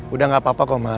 udah gak apa apa komar